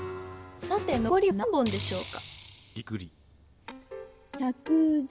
さてのこりは何本でしょうか？